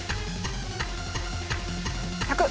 １００。